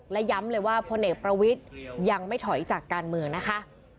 และย้ำเลยว่าพลเอกประวิทย์ยังไม่ถอยจากการเมืองนะคะ